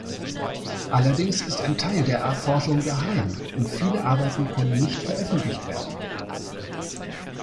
Allerdings ist ein Teil der Forschung geheim und viele Arbeiten können nicht veröffentlicht werden.